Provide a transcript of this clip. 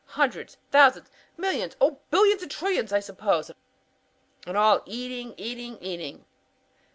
Hundreds, thousands, millions, oh, billions and trillions I suppose. And all eating, eating, eating!